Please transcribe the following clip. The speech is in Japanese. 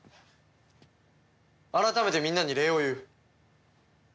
改めてみんなに礼を言う。